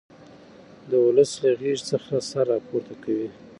د ولس له غېږې څخه سر را پورته کوي.